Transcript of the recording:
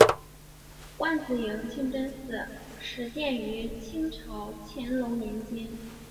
万子营清真寺始建于清朝乾隆年间。